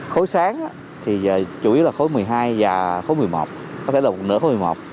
khối sáng thì chủ yếu là khối một mươi hai và khối một mươi một có thể là phụ nữ khối một mươi một